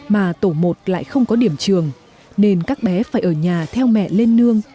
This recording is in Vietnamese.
mà tổ một lại không có điểm trường nên các bé phải ở nhà theo mẹ lên nương